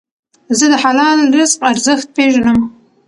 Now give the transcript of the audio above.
زه د حلال رزق ارزښت پېژنم.